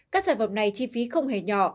các sản phẩm này chi phí không hề nhỏ